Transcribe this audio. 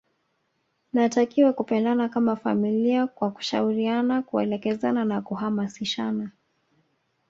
mnatakiwa kupendana kama familia kwa kushauriana kuelekezana na kuhamasishana